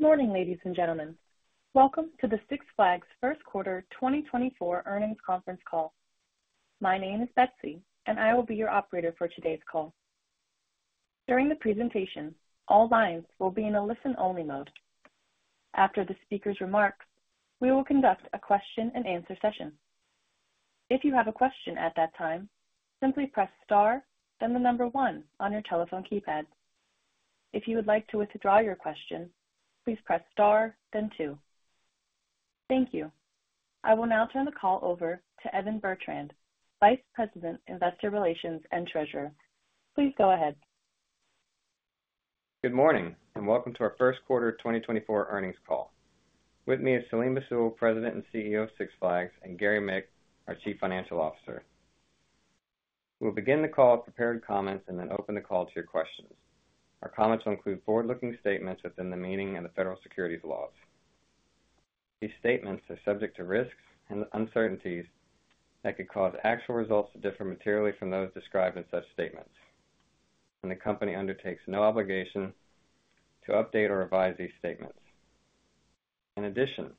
Good morning, ladies and gentlemen. Welcome to the Six Flags Q1 2024 Earnings Conference Call. My name is Betsy, and I will be your operator for today's call. During the presentation, all lines will be in a listen-only mode. After the speaker's remarks, we will conduct a question-and-answer session. If you have a question at that time, simply press star, then the number 1 on your telephone keypad. If you would like to withdraw your question, please press star, then 2. Thank you. I will now turn the call over to Evan Bertrand, Vice President Investor Relations and Treasurer. Please go ahead. Good morning and welcome to our Q1 2024 Earnings Call. With me is Saleem Bassoul, President and CEO of Six Flags, and Gary Mick, our Chief Financial Officer. We will begin the call with prepared comments and then open the call to your questions. Our comments will include forward-looking statements within the meaning and the federal securities laws. These statements are subject to risks and uncertainties that could cause actual results to differ materially from those described in such statements, and the company undertakes no obligation to update or revise these statements. In addition,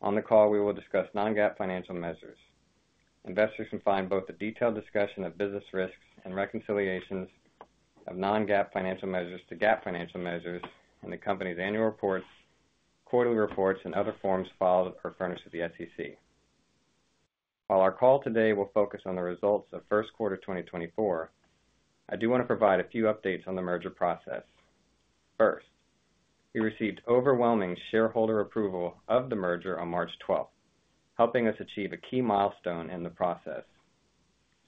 on the call we will discuss non-GAAP financial measures. Investors can find both a detailed discussion of business risks and reconciliations of non-GAAP financial measures to GAAP financial measures and the company's annual reports, quarterly reports, and other forms filed or furnished at the SEC. While our call today will focus on the results of Q1 2024, I do want to provide a few updates on the merger process. First, we received overwhelming shareholder approval of the merger on March 12th, helping us achieve a key milestone in the process.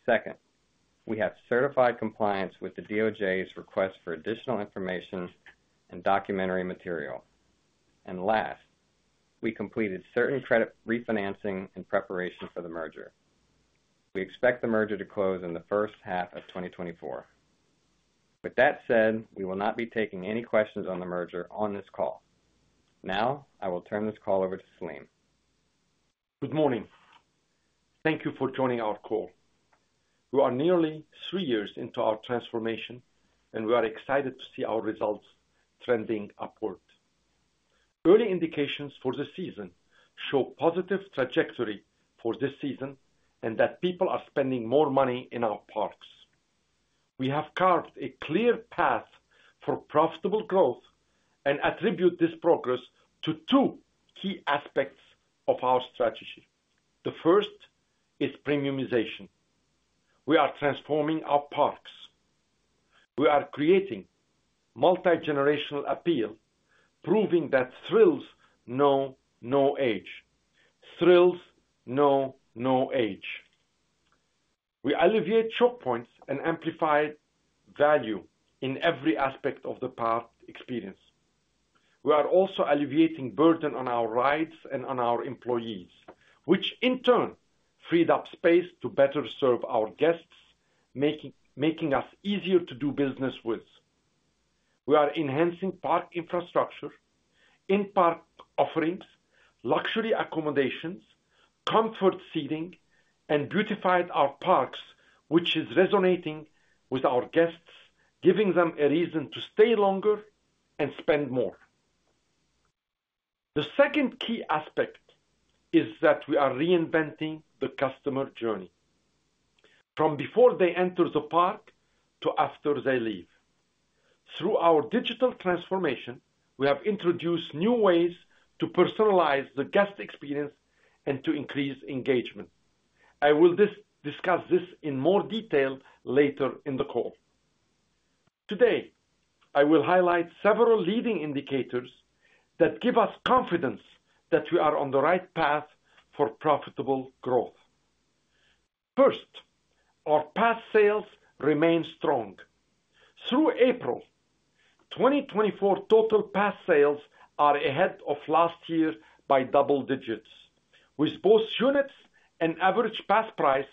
Second, we have certified compliance with the DOJ's request for additional information and documentary material. And last, we completed certain credit refinancing in preparation for the merger. We expect the merger to close in the first half of 2024. With that said, we will not be taking any questions on the merger on this call. Now I will turn this call over to Saleem. Good morning. Thank you for joining our call. We are nearly three years into our transformation, and we are excited to see our results trending upward. Early indications for the season show positive trajectory for this season and that people are spending more money in our parks. We have carved a clear path for profitable growth and attribute this progress to two key aspects of our strategy. The first is premiumization. We are transforming our parks. We are creating multi-generational appeal, proving that thrills know no age. Thrills know no age. We alleviate choke points and amplify value in every aspect of the park experience. We are also alleviating burden on our rides and on our employees, which in turn freed up space to better serve our guests, making us easier to do business with. We are enhancing park infrastructure, in-park offerings, luxury accommodations, comfort seating, and beautified our parks, which is resonating with our guests, giving them a reason to stay longer and spend more. The second key aspect is that we are reinventing the customer journey, from before they enter the park to after they leave. Through our digital transformation, we have introduced new ways to personalize the guest experience and to increase engagement. I will discuss this in more detail later in the call. Today, I will highlight several leading indicators that give us confidence that we are on the right path for profitable growth. First, our pass sales remain strong. Through April 2024, total pass sales are ahead of last year by double digits, with both units and average pass price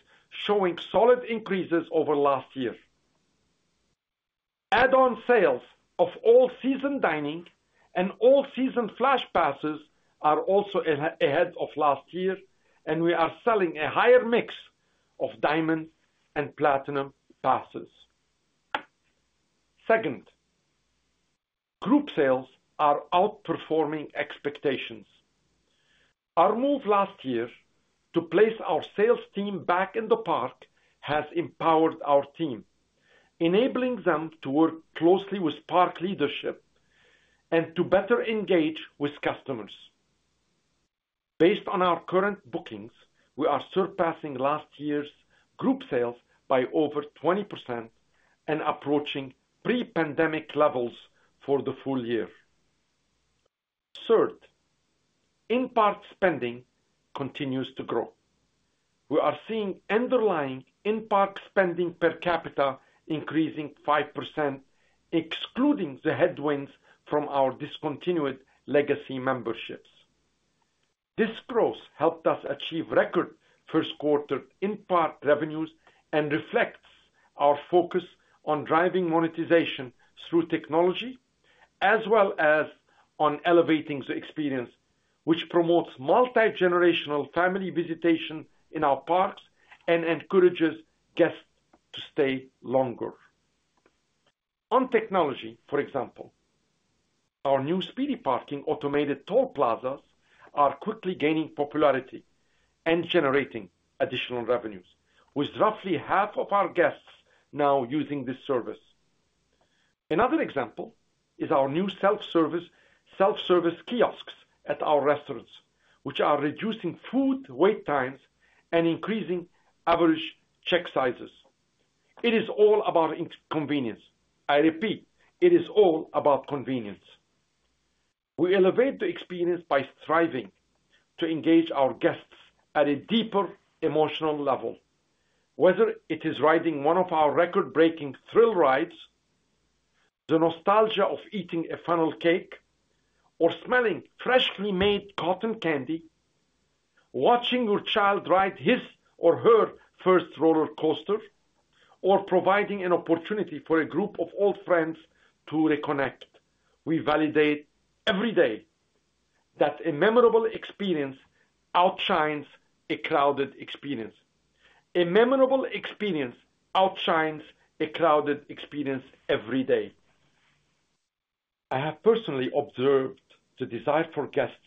showing solid increases over last year. Add-on sales of All Season Dining and All Season Flash Passes are also ahead of last year, and we are selling a higher mix of Diamond and Platinum passes. Second, group sales are outperforming expectations. Our move last year to place our sales team back in the park has empowered our team, enabling them to work closely with park leadership and to better engage with customers. Based on our current bookings, we are surpassing last year's group sales by over 20% and approaching pre-pandemic levels for the full year. Third, in-park spending continues to grow. We are seeing underlying in-park spending per capita increasing five%, excluding the headwinds from our discontinued legacy memberships. This growth helped us achieve record Q1 in-park revenues and reflects our focus on driving monetization through technology, as well as on elevating the experience, which promotes multi-generational family visitation in our parks and encourages guests to stay longer. On technology, for example, our new Speedy Parking automated toll plazas are quickly gaining popularity and generating additional revenues, with roughly half of our guests now using this service. Another example is our new self-service kiosks at our restaurants, which are reducing food wait times and increasing average check sizes. It is all about convenience. I repeat, it is all about convenience. We elevate the experience by striving to engage our guests at a deeper emotional level, whether it is riding one of our record-breaking thrill rides, the nostalgia of eating a funnel cake, or smelling freshly made cotton candy, watching your child ride his or her first roller coaster, or providing an opportunity for a group of old friends to reconnect. We validate every day that a memorable experience outshines a crowded experience. A memorable experience outshines a crowded experience every day. I have personally observed the desire for guests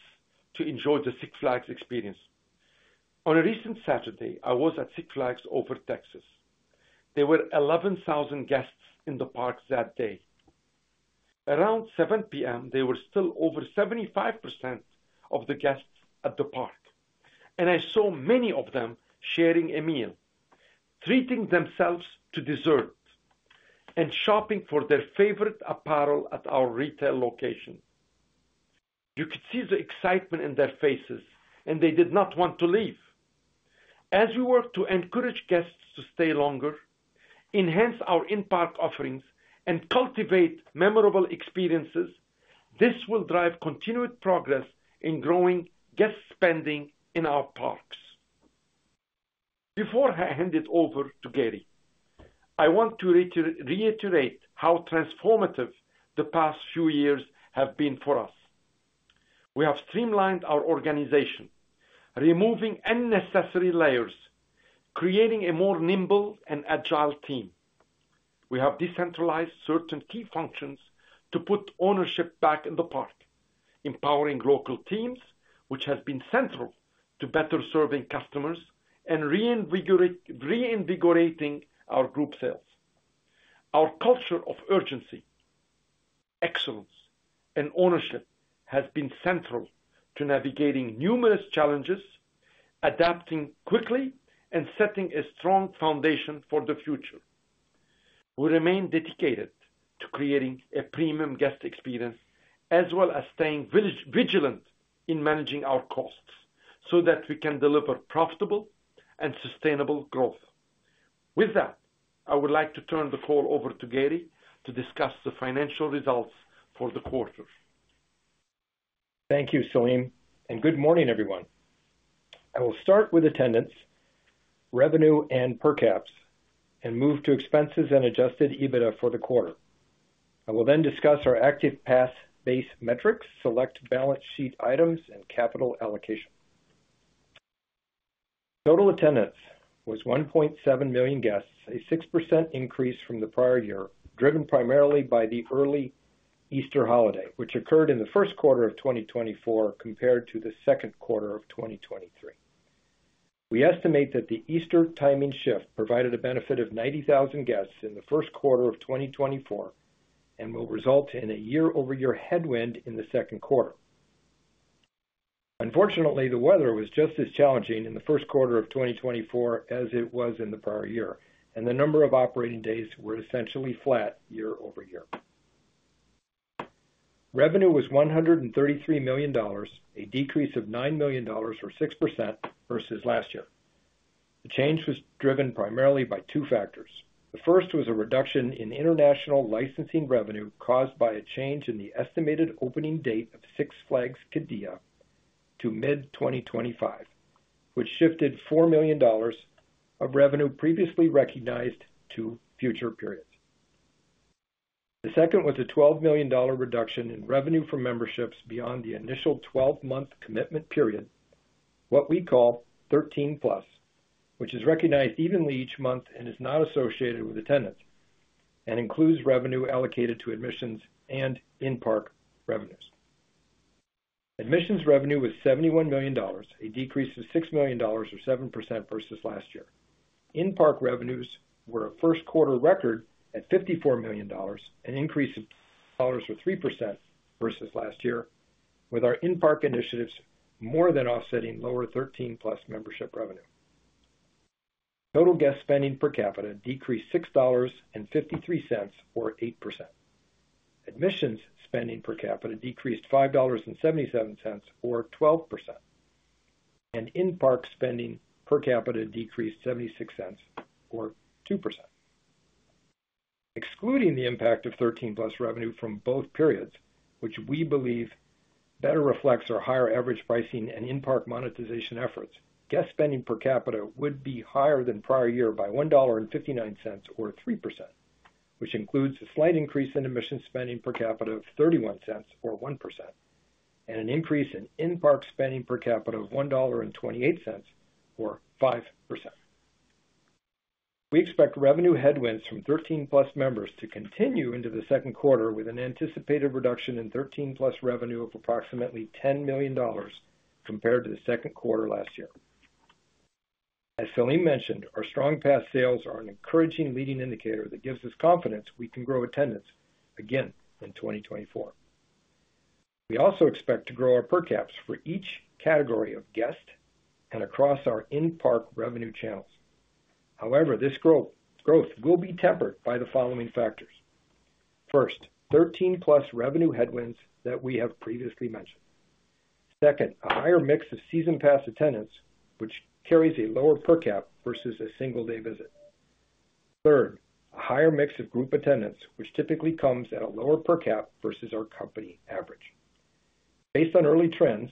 to enjoy the Six Flags experience. On a recent Saturday, I was at Six Flags Over Texas. There were 11,000 guests in the park that day. Around 7:00 P.M., there were still over 75% of the guests at the park, and I saw many of them sharing a meal, treating themselves to dessert, and shopping for their favorite apparel at our retail location. You could see the excitement in their faces, and they did not want to leave. As we work to encourage guests to stay longer, enhance our in-park offerings, and cultivate memorable experiences, this will drive continued progress in growing guest spending in our parks. Before I hand it over to Gary, I want to reiterate how transformative the past few years have been for us. We have streamlined our organization, removing unnecessary layers, creating a more nimble and agile team. We have decentralized certain key functions to put ownership back in the park, empowering local teams, which has been central to better serving customers and reinvigorating our group sales. Our culture of urgency, excellence, and ownership has been central to navigating numerous challenges, adapting quickly, and setting a strong foundation for the future. We remain dedicated to creating a premium guest experience, as well as staying vigilant in managing our costs so that we can deliver profitable and sustainable growth. With that, I would like to turn the call over to Gary to discuss the financial results for the quarter. Thank you, Saleem, and good morning, everyone. I will start with attendance, revenue, and per caps, and move to expenses and Adjusted EBITDA for the quarter. I will then discuss our active pass-based metrics, select balance sheet items, and capital allocation. Total attendance was 1.7 million guests, a 6% increase from the prior year, driven primarily by the early Easter holiday, which occurred in the Q1 of 2024 compared to the Q2 of 2023. We estimate that the Easter timing shift provided a benefit of 90,000 guests in the Q1 of 2024 and will result in a year-over-year headwind in the Q2. Unfortunately, the weather was just as challenging in the Q1 of 2024 as it was in the prior year, and the number of operating days were essentially flat year over year. Revenue was $133 million, a decrease of $9 million or 6% versus last year. The change was driven primarily by two factors. The first was a reduction in international licensing revenue caused by a change in the estimated opening date of Six Flags Qiddiya to mid-2025, which shifted $4 million of revenue previously recognized to future periods. The second was a $12 million reduction in revenue from memberships beyond the initial 12-month commitment period, what we call 13+, which is recognized evenly each month and is not associated with attendance, and includes revenue allocated to admissions and in-park revenues. Admissions revenue was $71 million, a decrease of $6 million or 7% versus last year. In-park revenues were a Q1 record at $54 million, an increase of $3 or 3% versus last year, with our in-park initiatives more than offsetting lower 13-plus membership revenue. Total guest spending per capita decreased $6.53 or 8%. Admissions spending per capita decreased $5.77 or 12%. In-park spending per capita decreased $0.76 or 2%. Excluding the impact of 13-plus revenue from both periods, which we believe better reflects our higher average pricing and in-park monetization efforts, guest spending per capita would be higher than prior year by $1.59 or 3%, which includes a slight increase in admissions spending per capita of $0.31 or 1%, and an increase in in-park spending per capita of $1.28 or 5%. We expect revenue headwinds from 13-plus members to continue into the Q2 with an anticipated reduction in 13-plus revenue of approximately $10 million compared to the Q2 last year. As Saleem mentioned, our strong pass sales are an encouraging leading indicator that gives us confidence we can grow attendance again in 2024. We also expect to grow our per caps for each category of guest and across our in-park revenue channels. However, this growth will be tempered by the following factors. First, 13-plus revenue headwinds that we have previously mentioned. Second, a higher mix of season pass attendance, which carries a lower per cap versus a single-day visit. Third, a higher mix of group attendance, which typically comes at a lower per cap versus our company average. Based on early trends,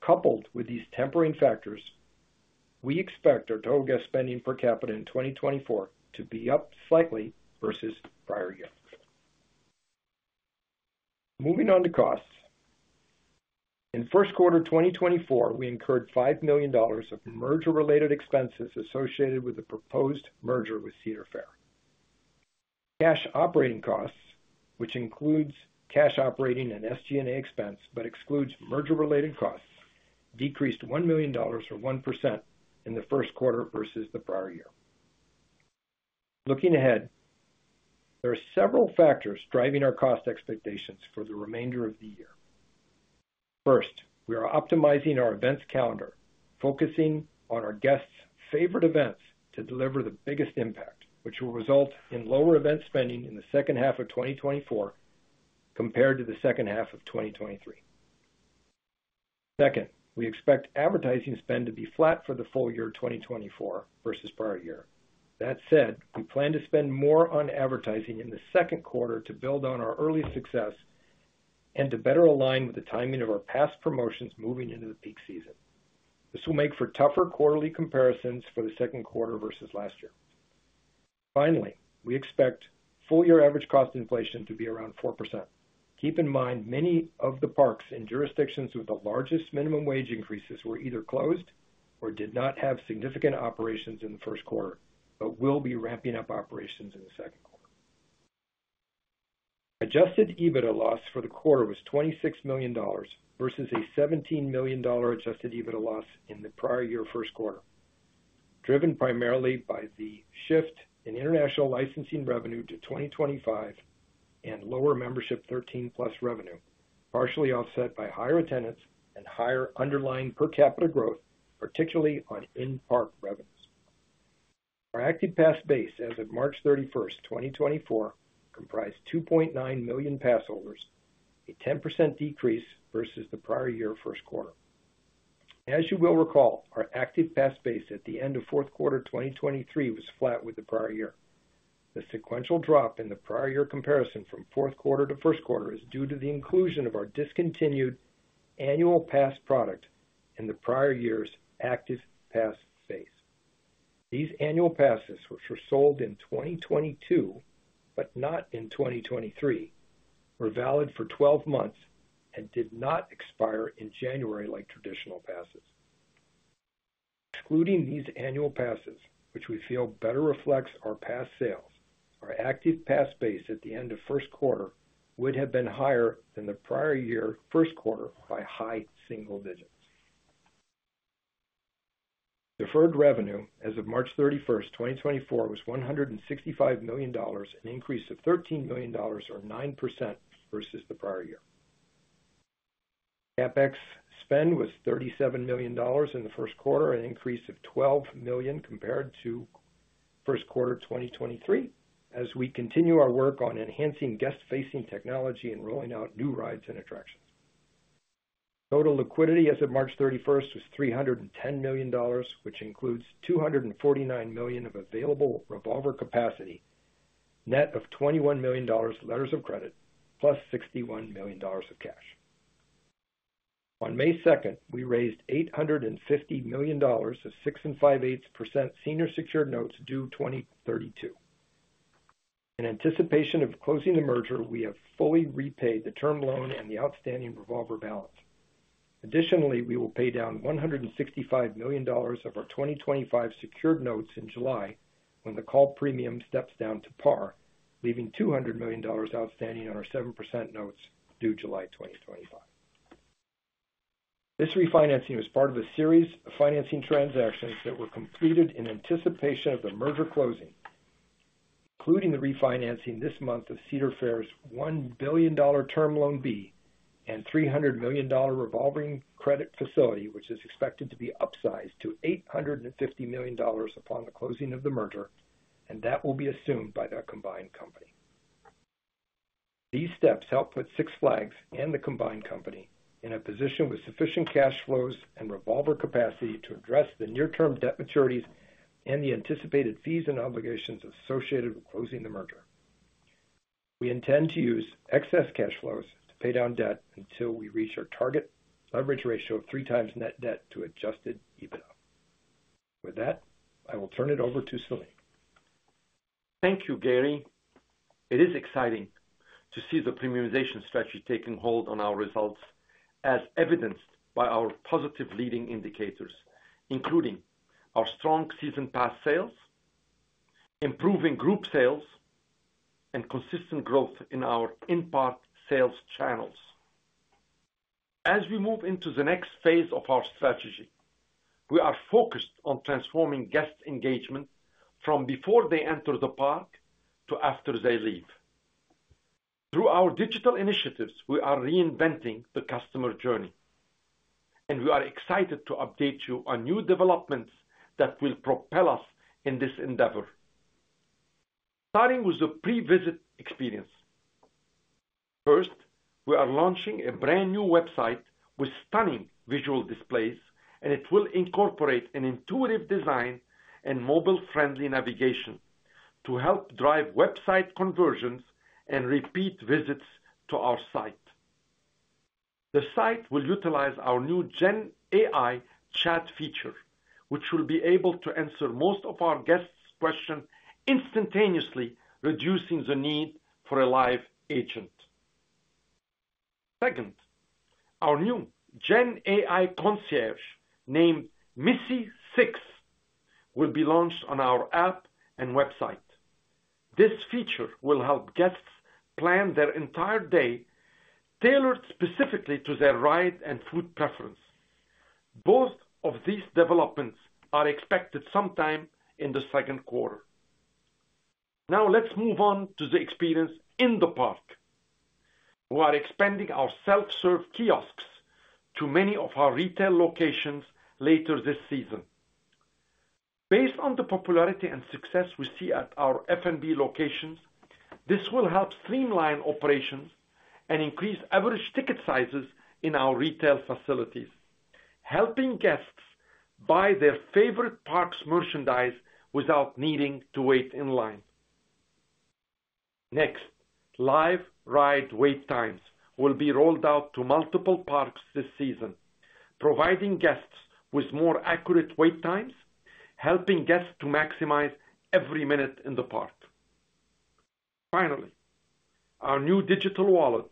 coupled with these tempering factors, we expect our total guest spending per capita in 2024 to be up slightly versus prior year. Moving on to costs. In Q1 2024, we incurred $5 million of merger-related expenses associated with the proposed merger with Cedar Fair. Cash operating costs, which includes cash operating and SG&A expense but excludes merger-related costs, decreased $1 million or 1% in the Q1 versus the prior year. Looking ahead, there are several factors driving our cost expectations for the remainder of the year. First, we are optimizing our events calendar, focusing on our guests' favorite events to deliver the biggest impact, which will result in lower event spending in the second half of 2024 compared to the second half of 2023. Second, we expect advertising spend to be flat for the full year 2024 versus prior year. That said, we plan to spend more on advertising in the Q2 to build on our early success and to better align with the timing of our pass promotions moving into the peak season. This will make for tougher quarterly comparisons for the Q2 versus last year. Finally, we expect full-year average cost inflation to be around 4%. Keep in mind, many of the parks in jurisdictions with the largest minimum wage increases were either closed or did not have significant operations in the Q1 but will be ramping up operations in the Q2. Adjusted EBITDA loss for the quarter was $26 million versus a $17 million adjusted EBITDA loss in the prior year Q1, driven primarily by the shift in international licensing revenue to 2025 and lower membership 13-plus revenue, partially offset by higher attendance and higher underlying per capita growth, particularly on in-park revenues. Our active pass base as of March 31, 2024, comprised 2.9 million pass holders, a 10% decrease versus the prior year Q1. As you will recall, our active pass base at the end of Q4 2023 was flat with the prior year. The sequential drop in the prior year comparison from Q4 to Q1 is due to the inclusion of our discontinued annual pass product in the prior year's active pass base. These annual passes, which were sold in 2022 but not in 2023, were valid for 12 months and did not expire in January like traditional passes. Excluding these annual passes, which we feel better reflects our pass sales, our active pass base at the end of Q1 would have been higher than the prior year Q1 by high single digits. Deferred revenue as of March 31, 2024, was $165 million, an increase of $13 million or 9% versus the prior year. CapEx spend was $37 million in the Q1, an increase of $12 million compared to Q1 2023, as we continue our work on enhancing guest-facing technology and rolling out new rides and attractions. Total liquidity as of March 31 was $310 million, which includes $249 million of available revolver capacity, net of $21 million letters of credit, plus $61 million of cash. On May 2, we raised $850 million of 6.58% senior-secured notes due 2032. In anticipation of closing the merger, we have fully repaid the term loan and the outstanding revolver balance. Additionally, we will pay down $165 million of our 2025 secured notes in July when the call premium steps down to par, leaving $200 million outstanding on our 7% notes due July 2025. This refinancing was part of a series of financing transactions that were completed in anticipation of the merger closing, including the refinancing this month of Cedar Fair's $1 billion Term Loan B and $300 million revolving credit facility, which is expected to be upsized to $850 million upon the closing of the merger, and that will be assumed by the combined company. These steps help put Six Flags and the combined company in a position with sufficient cash flows and revolver capacity to address the near-term debt maturities and the anticipated fees and obligations associated with closing the merger. We intend to use excess cash flows to pay down debt until we reach our target leverage ratio of three times net debt to Adjusted EBITDA. With that, I will turn it over to Saleem. Thank you, Gary. It is exciting to see the premiumization strategy taking hold on our results, as evidenced by our positive leading indicators, including our strong season pass sales, improving group sales, and consistent growth in our in-park sales channels. As we move into the next phase of our strategy, we are focused on transforming guest engagement from before they enter the park to after they leave. Through our digital initiatives, we are reinventing the customer journey, and we are excited to update you on new developments that will propel us in this endeavor. Starting with the pre-visit experience. First, we are launching a brand new website with stunning visual displays, and it will incorporate an intuitive design and mobile-friendly navigation to help drive website conversions and repeat visits to our site. The site will utilize our new Gen AI Chat feature, which will be able to answer most of our guests' questions instantaneously, reducing the need for a live agent. Second, our new Gen AI concierge named Missi will be launched on our app and website. This feature will help guests plan their entire day tailored specifically to their ride and food preference. Both of these developments are expected sometime in the Q2. Now, let's move on to the experience in the park. We are expanding our self-serve kiosks to many of our retail locations later this season. Based on the popularity and success we see at our F&B locations, this will help streamline operations and increase average ticket sizes in our retail facilities, helping guests buy their favorite parks merchandise without needing to wait in line. Next, live ride wait times will be rolled out to multiple parks this season, providing guests with more accurate wait times, helping guests to maximize every minute in the park. Finally, our new Digital Wallet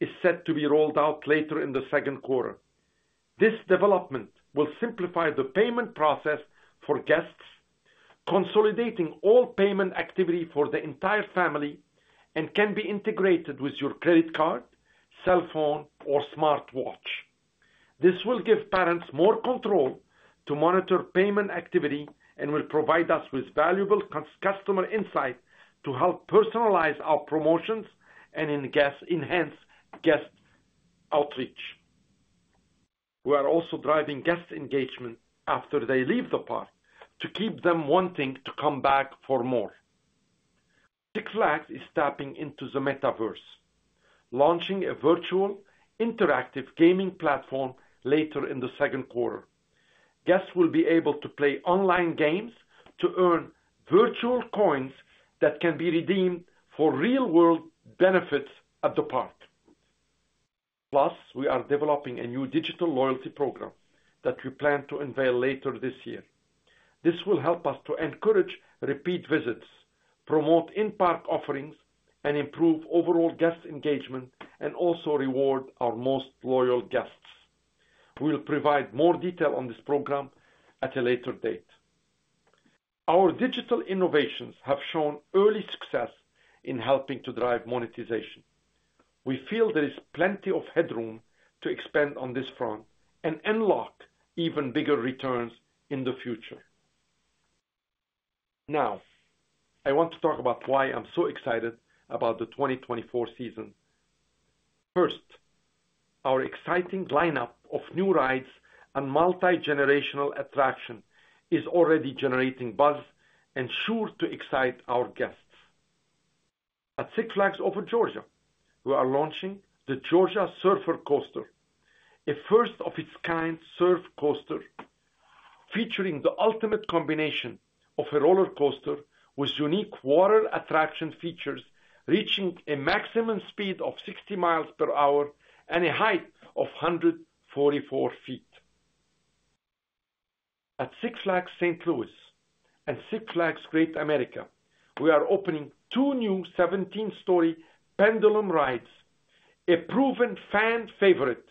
is set to be rolled out later in the Q2. This development will simplify the payment process for guests, consolidating all payment activity for the entire family, and can be integrated with your credit card, cell phone, or smartwatch. This will give parents more control to monitor payment activity and will provide us with valuable customer insight to help personalize our promotions and enhance guest outreach. We are also driving guest engagement after they leave the park to keep them wanting to come back for more. Six Flags is stepping into the metaverse, launching a virtual interactive gaming platform later in the Q2. Guests will be able to play online games to earn virtual coins that can be redeemed for real-world benefits at the park. Plus, we are developing a new digital loyalty program that we plan to unveil later this year. This will help us to encourage repeat visits, promote in-park offerings, and improve overall guest engagement and also reward our most loyal guests. We will provide more detail on this program at a later date. Our digital innovations have shown early success in helping to drive monetization. We feel there is plenty of headroom to expand on this front and unlock even bigger returns in the future. Now, I want to talk about why I'm so excited about the 2024 season. First, our exciting lineup of new rides and multi-generational attractions is already generating buzz and sure to excite our guests. At Six Flags Over Georgia, we are launching the Georgia Surfer Coaster, a first-of-its-kind surf coaster featuring the ultimate combination of a roller coaster with unique water attraction features reaching a maximum speed of 60 miles per hour and a height of 144 feet. At Six Flags St. Louis and Six Flags Great America, we are opening two new 17-story pendulum rides, a proven fan favorite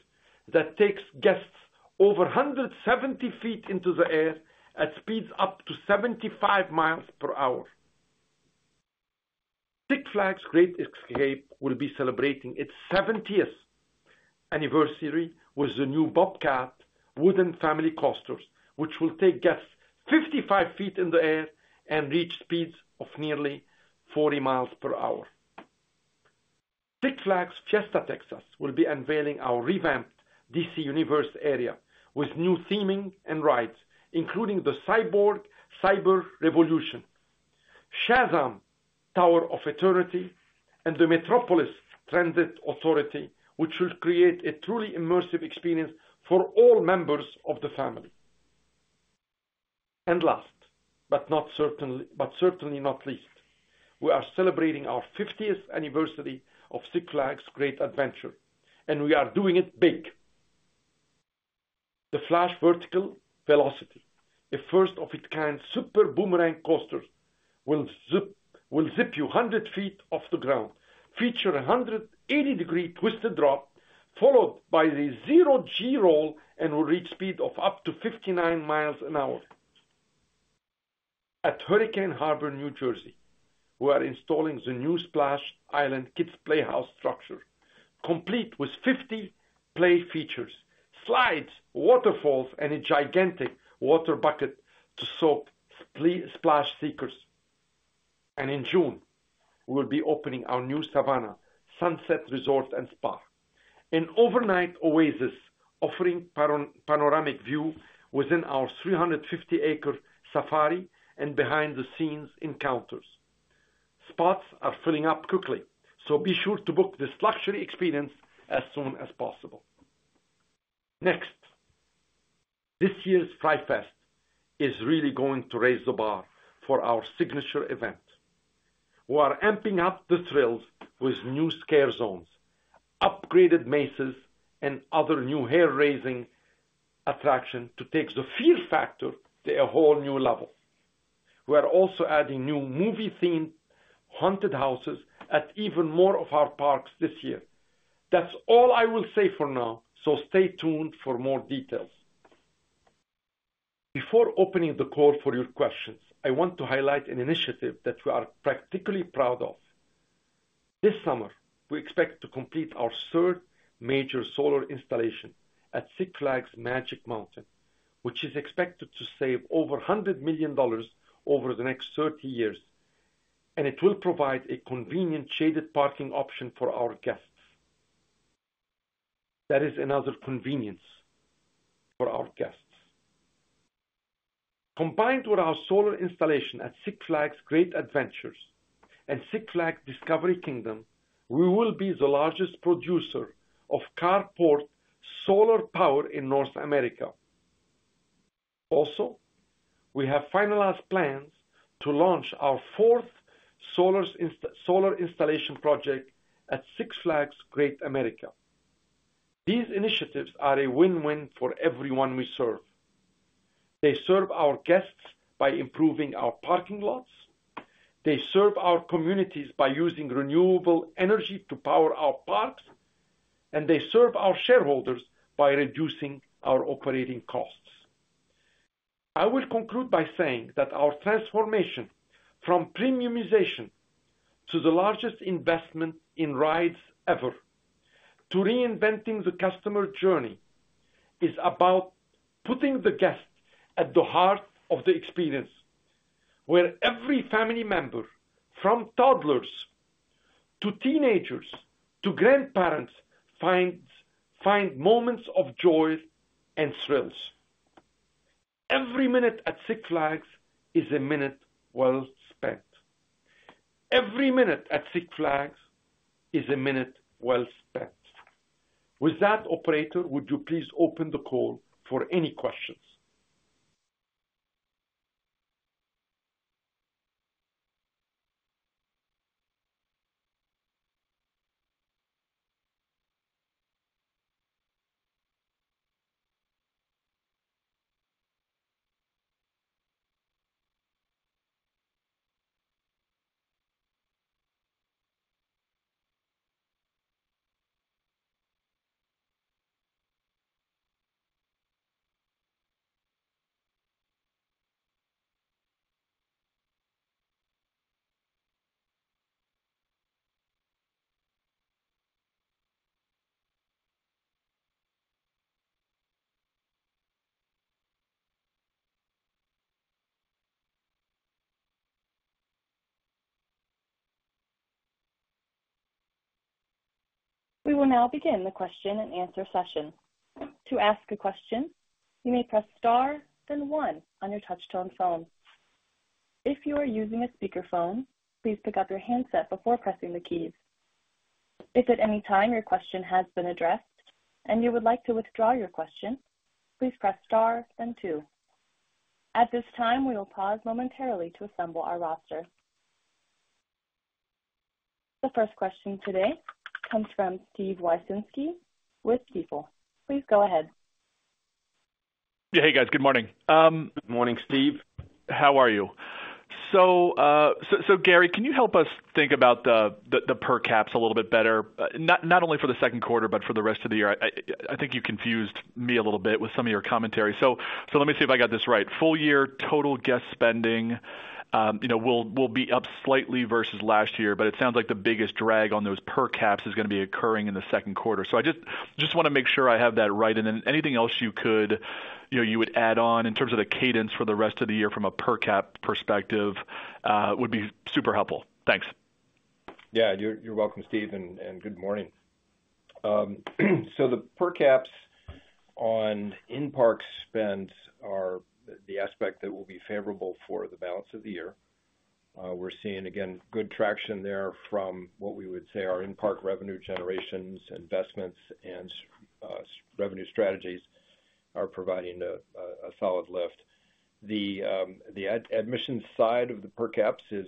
that takes guests over 170 feet into the air at speeds up to 75 miles per hour. Six Flags Great Escape will be celebrating its 70th anniversary with the new Bobcat wooden family coaster, which will take guests 55 feet in the air and reach speeds of nearly 40 miles per hour. Six Flags Fiesta Texas will be unveiling our revamped DC Universe area with new theming and rides, including the Cyborg Cyber Revolution, Shazam! Tower of Eternity, and the Metropolis Transit Authority, which will create a truly immersive experience for all members of the family. Last but certainly not least, we are celebrating our 50th anniversary of Six Flags Great Adventure, and we are doing it big. The Flash: Vertical Velocity, a first-of-its-kind super boomerang coaster, will zip you 100 feet off the ground, feature a 180-degree twisted drop followed by a zero-G roll and will reach speeds of up to 59 miles an hour. At Hurricane Harbor, New Jersey, we are installing the new Splash Island Kids Playhouse structure, complete with 50 play features: slides, waterfalls, and a gigantic water bucket to soak splash seekers. And in June, we will be opening our new Savannah Sunset Resort and Spa, an overnight oasis offering a panoramic view within our 350-acre safari and behind-the-scenes encounters. Spots are filling up quickly, so be sure to book this luxury experience as soon as possible. Next, this year's Fright Fest is really going to raise the bar for our signature event. We are amping up the thrills with new scare zones, upgraded mazes, and other new hair-raising attractions to take the fear factor to a whole new level. We are also adding new movie-themed haunted houses at even more of our parks this year. That's all I will say for now, so stay tuned for more details. Before opening the call for your questions, I want to highlight an initiative that we are particularly proud of. This summer, we expect to complete our third major solar installation at Six Flags Magic Mountain, which is expected to save over $100 million over the next 30 years, and it will provide a convenient shaded parking option for our guests. That is another convenience for our guests. Combined with our solar installation at Six Flags Great Adventure and Six Flags Discovery Kingdom, we will be the largest producer of carport solar power in North America. Also, we have finalized plans to launch our fourth solar installation project at Six Flags Great America. These initiatives are a win-win for everyone we serve. They serve our guests by improving our parking lots. They serve our communities by using renewable energy to power our parks. And they serve our shareholders by reducing our operating costs. I will conclude by saying that our transformation from premiumization to the largest investment in rides ever, to reinventing the customer journey, is about putting the guest at the heart of the experience, where every family member, from toddlers to teenagers to grandparents, finds moments of joy and thrills. Every minute at Six Flags is a minute well spent. Every minute at Six Flags is a minute well spent. With that, operator, would you please open the call for any questions? We will now begin the question and answer session. To ask a question, you may press star, then 1 on your touchscreen phone. If you are using a speakerphone, please pick up your handset before pressing the keys. If at any time your question has been addressed and you would like to withdraw your question, please press star, then 2. At this time, we will pause momentarily to assemble our roster. The first question today comes from Steven Wieczynski with Stifel. Please go ahead. Hey, guys. Good morning. Good morning, Steve. How are you? So Gary, can you help us think about the per caps a little bit better, not only for the Q2 but for the rest of the year? I think you confused me a little bit with some of your commentary. So let me see if I got this right. Full year, total guest spending will be up slightly versus last year, but it sounds like the biggest drag on those per caps is going to be occurring in the Q2. So I just want to make sure I have that right. And then anything else you would add on in terms of the cadence for the rest of the year from a per cap perspective would be super helpful. Thanks. Yeah, you're welcome, Steve, and good morning. So the per caps on in-park spends are the aspect that will be favorable for the balance of the year. We're seeing, again, good traction there from what we would say our in-park revenue generations, investments, and revenue strategies are providing a solid lift. The admissions side of the per caps is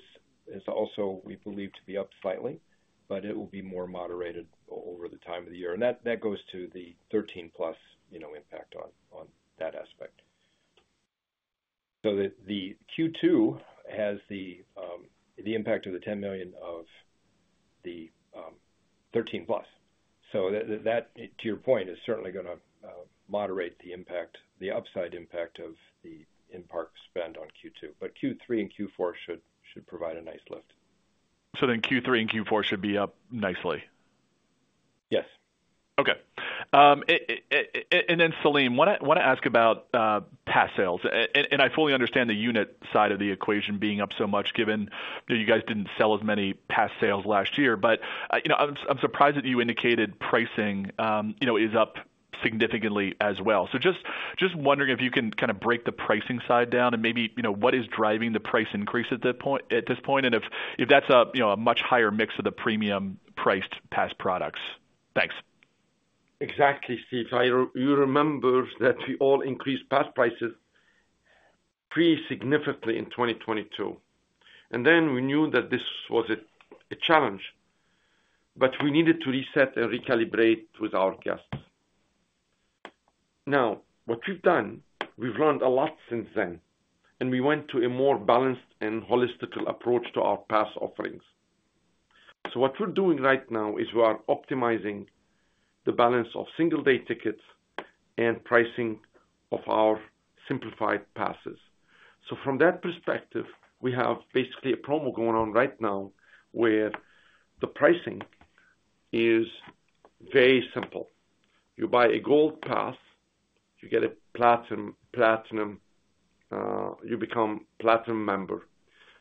also, we believe, to be up slightly, but it will be more moderated over the time of the year. And that goes to the 13-plus impact on that aspect. So the Q2 has the impact of the $10 million of the 13-plus. So that, to your point, is certainly going to moderate the upside impact of the in-park spend on Q2. But Q3 and Q4 should provide a nice lift. Q3 and Q4 should be up nicely? Yes. Okay. Then Saleem, I want to ask about pass sales. I fully understand the unit side of the equation being up so much given you guys didn't sell as many pass sales last year. But I'm surprised that you indicated pricing is up significantly as well. Just wondering if you can kind of break the pricing side down and maybe what is driving the price increase at this point and if that's a much higher mix of the premium-priced pass products. Thanks. Exactly, Steve. You remember that we all increased pass prices pretty significantly in 2022. And then we knew that this was a challenge. But we needed to reset and recalibrate with our guests. Now, what we've done, we've learned a lot since then. And we went to a more balanced and holistic approach to our pass offerings. So what we're doing right now is we are optimizing the balance of single-day tickets and pricing of our simplified passes. So from that perspective, we have basically a promo going on right now where the pricing is very simple. You buy a Gold Pass, you get a platinum you become platinum member.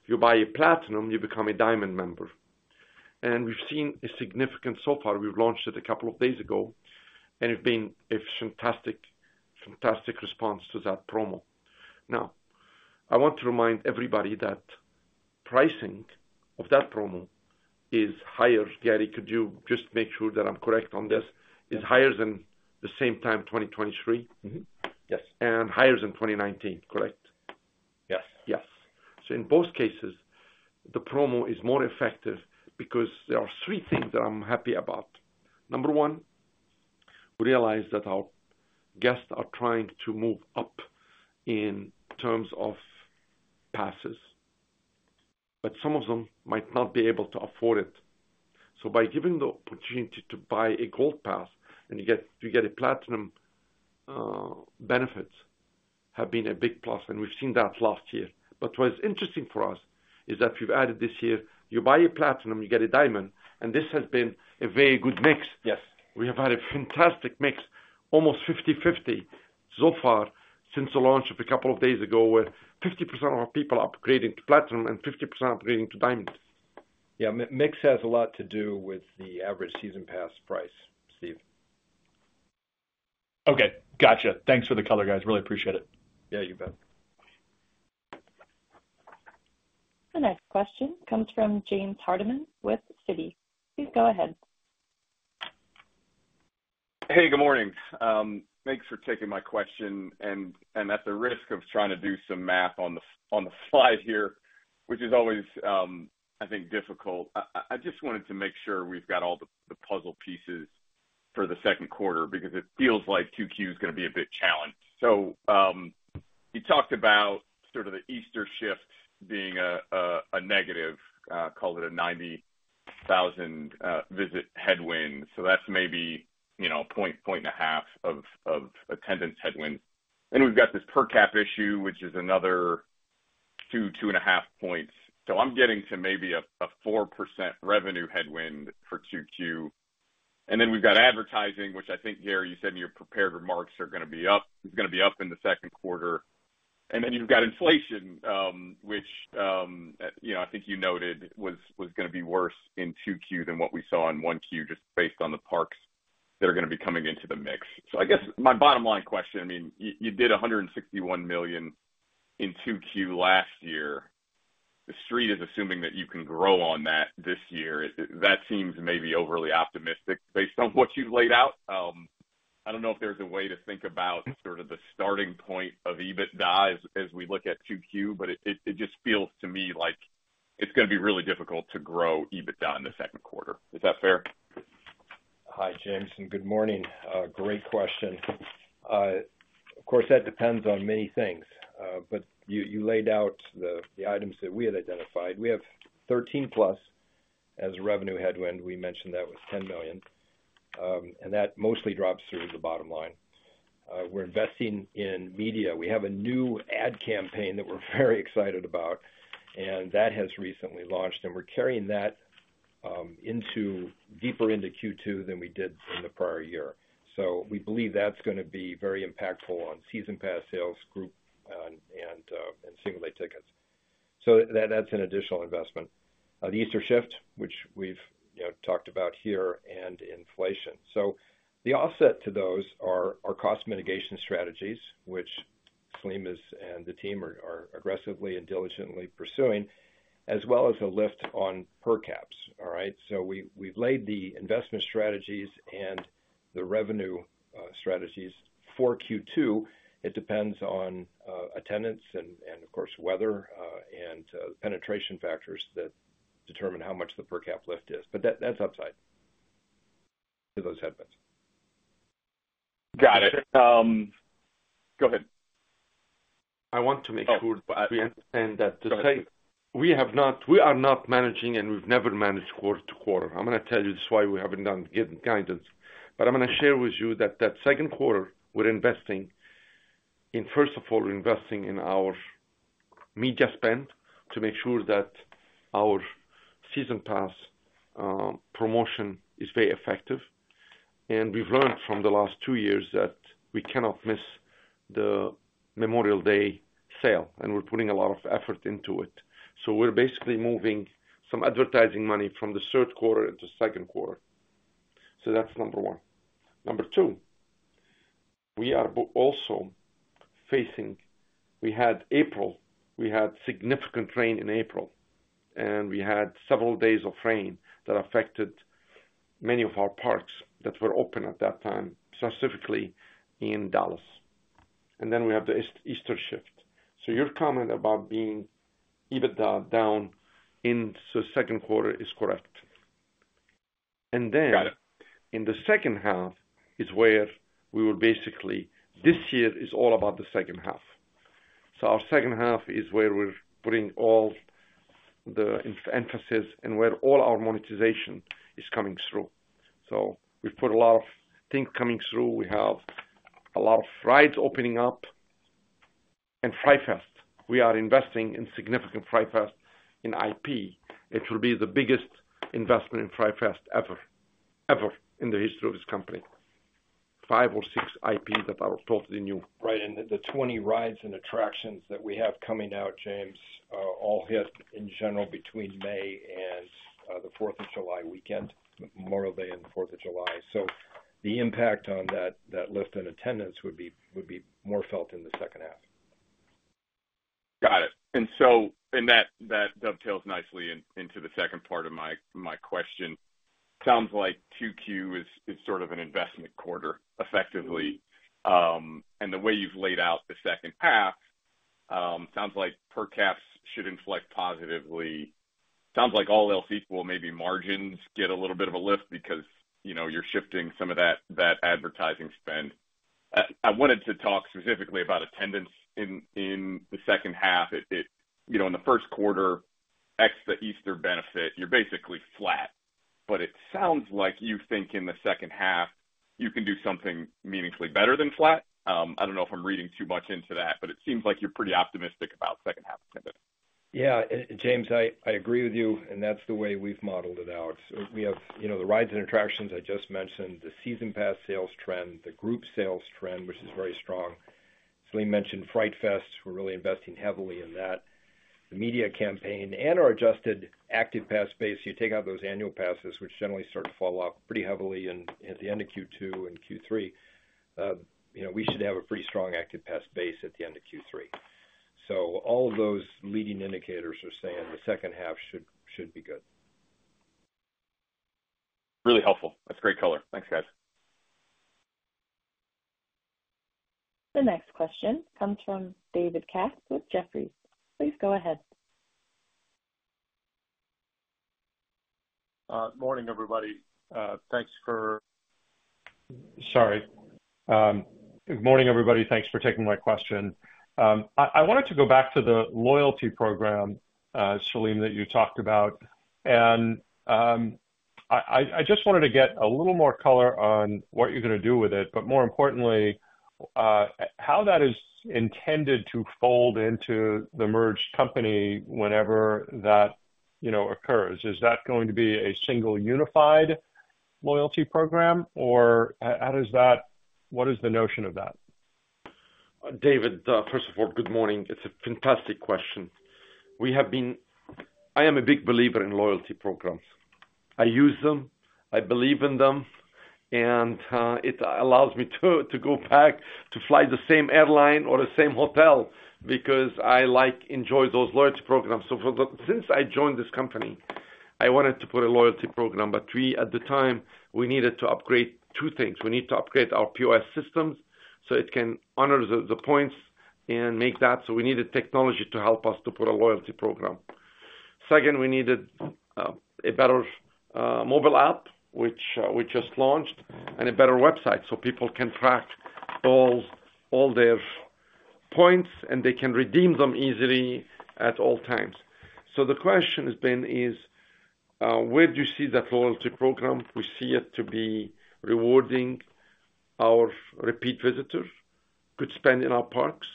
You buy a platinum, you become a diamond member. And we've seen a significant so far. We've launched it a couple of days ago. And it's been a fantastic response to that promo. Now, I want to remind everybody that pricing of that promo is higher, Gary. Could you just make sure that I'm correct on this is higher than the same time 2023? Yes. Higher than 2019, correct? Yes. Yes. So in both cases, the promo is more effective because there are three things that I'm happy about. Number one, we realize that our guests are trying to move up in terms of passes. But some of them might not be able to afford it. So by giving the opportunity to buy a gold pass and you get a platinum benefits have been a big plus. And we've seen that last year. But what's interesting for us is that we've added this year, you buy a platinum, you get a diamond. And this has been a very good mix. We have had a fantastic mix, almost 50/50 so far since the launch of a couple of days ago where 50% of our people are upgrading to platinum and 50% upgrading to diamond. Yeah, mix has a lot to do with the average season pass price, Steve. Okay. Gotcha. Thanks for the color, guys. Really appreciate it. Yeah, you bet. The next question comes from James Hardiman with Citi. Please go ahead. Hey, good morning. Thanks for taking my question. At the risk of trying to do some math on the slide here, which is always, I think, difficult, I just wanted to make sure we've got all the puzzle pieces for the Q2 because it feels like Q2 is going to be a bit challenging. So you talked about sort of the Easter shift being a negative. Call it a 90,000-visit headwind. So that's maybe 1-1.5 points of attendance headwinds. Then we've got this per cap issue, which is another 2-2.5 points. So I'm getting to maybe a 4% revenue headwind for Q2. And then we've got advertising, which I think, Gary, you said in your prepared remarks is going to be up in the Q2. And then you've got inflation, which I think you noted was going to be worse in Q2 than what we saw in 1Q just based on the parks that are going to be coming into the mix. So I guess my bottom-line question, I mean, you did $161 million in Q2 last year. The street is assuming that you can grow on that this year. That seems maybe overly optimistic based on what you've laid out. I don't know if there's a way to think about sort of the starting point of EBITDA as we look at Q2, but it just feels to me like it's going to be really difficult to grow EBITDA in the Q2. Is that fair? Hi, James. Good morning. Great question. Of course, that depends on many things. But you laid out the items that we had identified. We have 13-plus as revenue headwind. We mentioned that was $10 million. And that mostly drops through the bottom line. We're investing in media. We have a new ad campaign that we're very excited about. And that has recently launched. And we're carrying that deeper into Q2 than we did in the prior year. So we believe that's going to be very impactful on season pass sales, group, and single-day tickets. So that's an additional investment. The Easter shift, which we've talked about here, and inflation. So the offset to those are cost mitigation strategies, which Saleem and the team are aggressively and diligently pursuing, as well as a lift on per caps, all right? So we've laid the investment strategies and the revenue strategies for Q2. It depends on attendance and, of course, weather and penetration factors that determine how much the per cap lift is. But that's upside to those headwinds. Got it. Go ahead. I want to make sure that we understand that we are not managing and we've never managed quarter-to-quarter. I'm going to tell you this is why we haven't done good guidance. But I'm going to share with you that that Q2, we're investing in, first of all, we're investing in our media spend to make sure that our season pass promotion is very effective. And we've learned from the last two years that we cannot miss the Memorial Day sale. And we're putting a lot of effort into it. So we're basically moving some advertising money from the Q3. So that's number one. Number two, we are also facing we had April. We had significant rain in April. And we had several days of rain that affected many of our parks that were open at that time, specifically in Dallas. And then we have the Easter shift. So your comment about being EBITDA down into the Q2 is correct. And then in the second half is where we will basically this year is all about the second half. So our second half is where we're putting all the emphasis and where all our monetization is coming through. So we've put a lot of things coming through. We have a lot of rides opening up. And Fright Fest, we are investing in significant Fright Fest in IP. It will be the biggest investment in Fright Fest ever, ever in the history of this company, five or six IPs that are totally new. Right. And the 20 rides and attractions that we have coming out, James, all hit in general between May and the 4th of July weekend, Memorial Day and the 4th of July. So the impact on that lift in attendance would be more felt in the second half. Got it. And that dovetails nicely into the second part of my question. Sounds like Q2 is sort of an investment quarter, effectively. And the way you've laid out the second half, sounds like per caps should inflect positively. Sounds like all else equal, maybe margins get a little bit of a lift because you're shifting some of that advertising spend. I wanted to talk specifically about attendance in the second half. In the Q1, ex the Easter benefit, you're basically flat. But it sounds like you think in the second half, you can do something meaningfully better than flat. I don't know if I'm reading too much into that, but it seems like you're pretty optimistic about second-half attendance. Yeah, James, I agree with you. That's the way we've modeled it out. We have the rides and attractions I just mentioned, the season pass sales trend, the group sales trend, which is very strong. Selim mentioned Fright Fest. We're really investing heavily in that, the media campaign, and our adjusted active pass base. So you take out those annual passes, which generally start to fall off pretty heavily at the end of Q2 and Q3, we should have a pretty strong active pass base at the end of Q3. So all of those leading indicators are saying the second half should be good. Really helpful. That's great color. Thanks, guys. The next question comes from David Katz with Jefferies. Please go ahead. Morning, everybody. Thanks for. Sorry. Good morning, everybody. Thanks for taking my question. I wanted to go back to the loyalty program, Saleem, that you talked about. I just wanted to get a little more color on what you're going to do with it, but more importantly, how that is intended to fold into the merged company whenever that occurs. Is that going to be a single unified loyalty program, or what is the notion of that? David, first of all, good morning. It's a fantastic question. I am a big believer in loyalty programs. I use them. I believe in them. And it allows me to go back to fly the same airline or the same hotel because I enjoy those loyalty programs. So since I joined this company, I wanted to put a loyalty program. But at the time, we needed to upgrade two things. We need to upgrade our POS systems so it can honor the points and make that. So we needed technology to help us to put a loyalty program. Second, we needed a better mobile app, which just launched, and a better website so people can track all their points and they can redeem them easily at all times. So the question has been, is where do you see that loyalty program? We see it to be rewarding our repeat visitors, could spend in our parks,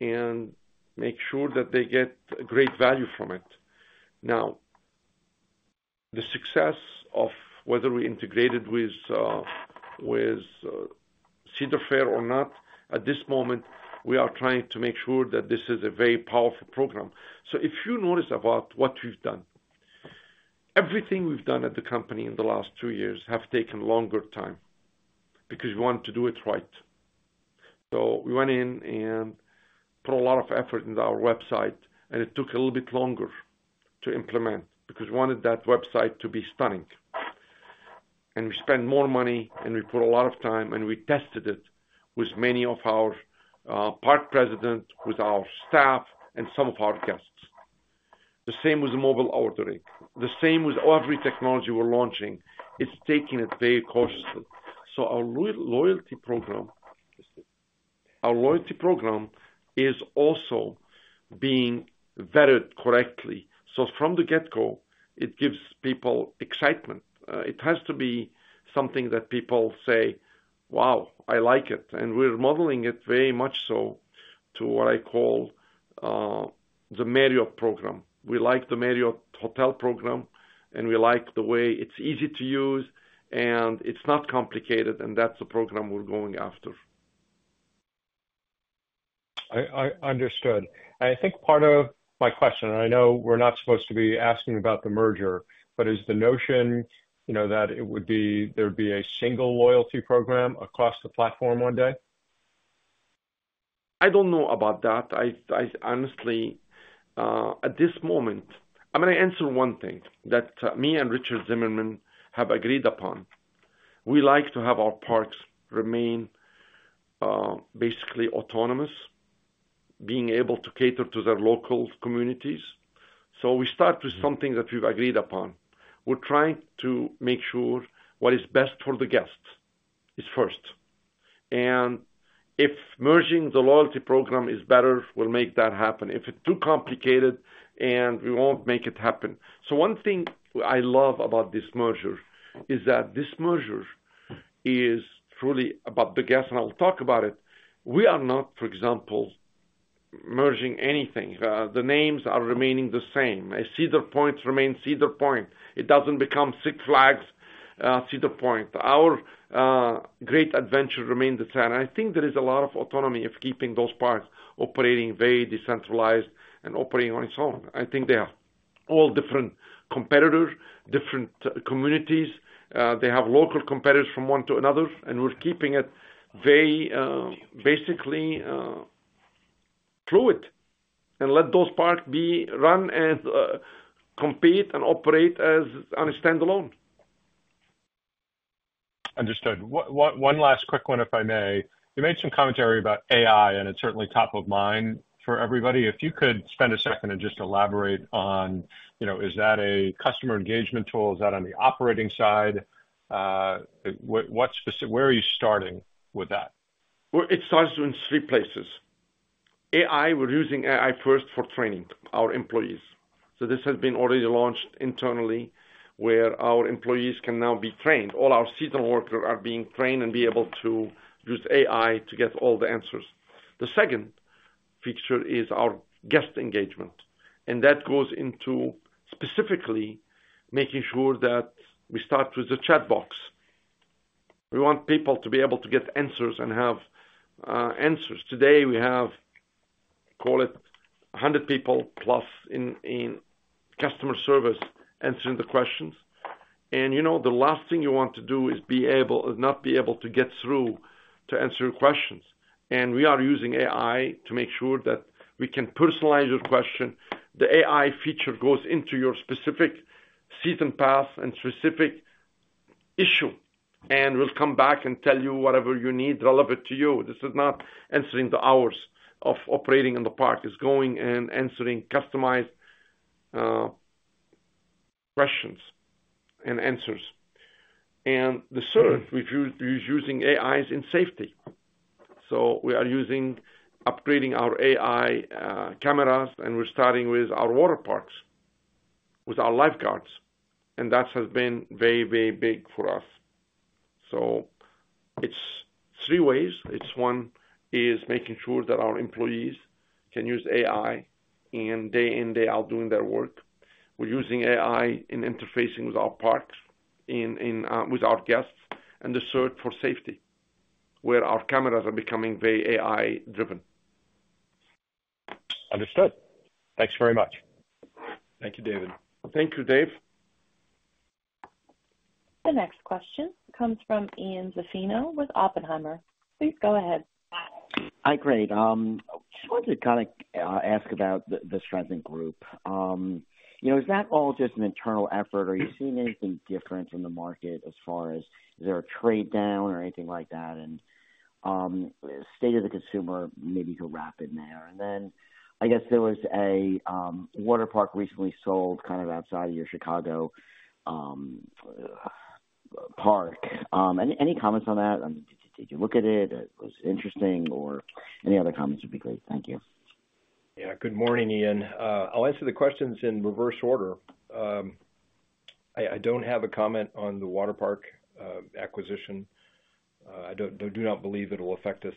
and make sure that they get great value from it. Now, the success of whether we integrated with Cedar Fair or not, at this moment, we are trying to make sure that this is a very powerful program. So, if you notice about what we've done, everything we've done at the company in the last two years have taken longer time because we wanted to do it right. So we went in and put a lot of effort into our website. And it took a little bit longer to implement because we wanted that website to be stunning. And we spent more money, and we put a lot of time, and we tested it with many of our park presidents, with our staff, and some of our guests. The same with the mobile ordering. The same with every technology we're launching. It's taking it very cautiously. So our loyalty program is also being vetted correctly. So from the get-go, it gives people excitement. It has to be something that people say, "Wow, I like it." And we're modeling it very much so to what I call the Marriott program. We like the Marriott hotel program, and we like the way it's easy to use, and it's not complicated. And that's the program we're going after. I understood. And I think part of my question and I know we're not supposed to be asking about the merger, but is the notion that there would be a single loyalty program across the platform one day? I don't know about that. Honestly, at this moment, I'm going to answer one thing that me and Richard Zimmerman have agreed upon. We like to have our parks remain basically autonomous, being able to cater to their local communities. So we start with something that we've agreed upon. We're trying to make sure what is best for the guest is first. And if merging the loyalty program is better, we'll make that happen. If it's too complicated, we won't make it happen. So one thing I love about this merger is that this merger is truly about the guests. And I will talk about it. We are not, for example, merging anything. The names are remaining the same. Cedar Point remains Cedar Point. It doesn't become Six Flags Cedar Point. Our Great Adventure remains the same. I think there is a lot of autonomy of keeping those parks operating very decentralized and operating on its own. I think they have all different competitors, different communities. They have local competitors from one to another. We're keeping it very basically fluid and let those parks run and compete and operate as standalone. Understood. One last quick one, if I may. You made some commentary about AI, and it's certainly top of mind for everybody. If you could spend a second and just elaborate on, is that a customer engagement tool? Is that on the operating side? Where are you starting with that? Well, it starts in three places. We're using AI first for training our employees. So this has been already launched internally where our employees can now be trained. All our seasonal workers are being trained and be able to use AI to get all the answers. The second feature is our guest engagement. And that goes into specifically making sure that we start with the chat box. We want people to be able to get answers and have answers. Today, we have, call it, 100 people plus in customer service answering the questions. And the last thing you want to do is not be able to get through to answer your questions. And we are using AI to make sure that we can personalize your question. The AI feature goes into your specific season pass and specific issue, and will come back and tell you whatever you need, relevant to you. This is not answering the hours of operating in the park. It's going and answering customized questions and answers. The third, we're using AIs in safety. We are upgrading our AI cameras, and we're starting with our water parks, with our lifeguards. That has been very, very big for us. It's three ways. It's one is making sure that our employees can use AI, and day in, day out, doing their work. We're using AI in interfacing with our parks, with our guests, and the search for safety where our cameras are becoming very AI-driven. Understood. Thanks very much. Thank you, David. Thank you, Dave. The next question comes from Ian Zaffino with Oppenheimer. Please go ahead. Hi, Gary. I just wanted to kind of ask about the strength in group. Is that all just an internal effort, or are you seeing anything different in the market as far as is there a trade down or anything like that? And state of the consumer, maybe to wrap in there. And then I guess there was a water park recently sold kind of outside of your Chicago park. Any comments on that? Did you look at it? Was it interesting? Or any other comments would be great. Thank you. Yeah. Good morning, Ian. I'll answer the questions in reverse order. I don't have a comment on the water park acquisition. I do not believe it will affect us